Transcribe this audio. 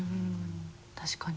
確かに。